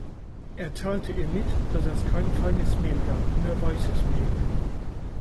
Er teilte ihr mit, dass es kein feines Mehl gab, nur weißes Mehl.